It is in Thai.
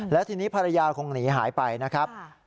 แล้วทีนี้ภรรยาคงหนีหายไปนะครับ